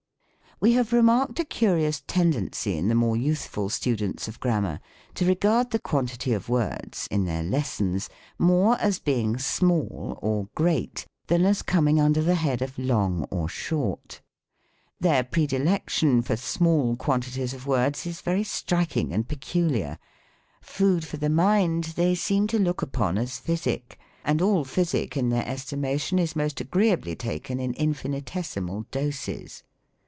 We have remarked a curious tendency in the more youthful students of Grammar to regard the quantity of words (in their lessons) more as being "small" or "great" than as coming under the head of " long" or " short." Their predilection for small quantities of words is very striking and peculiar; food for the mind they seem to look upon as physic ; and all physic, in their estimation, is most agreeably taken in infinitesi mal doses.